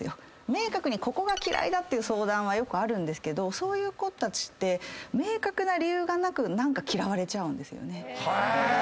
明確にここが嫌いだっていう相談はよくあるんですけどそういう子たちって明確な理由がなく何か嫌われちゃうんですよね。